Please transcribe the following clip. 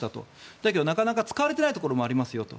だけどなかなか使われていないところもありますよと。